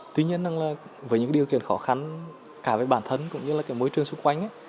tuy nhiên là với những điều kiện khó khăn cả về bản thân cũng như là cái môi trường xung quanh